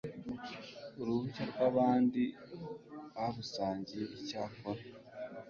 uruhushya rw abandi babusangiye icyakora